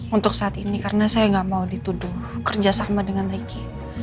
untuk saat ini karena saya gak mau dituduh kerja sama dengan ricky